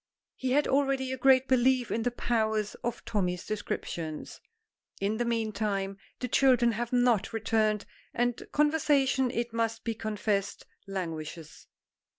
He had already a great belief in the powers of Tommy's descriptions. In the meantime the children have not returned, and conversation, it must be confessed, languishes.